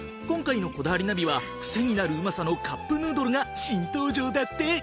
今回の『こだわりナビ』はクセになるうまさのカップヌードルが新登場だって！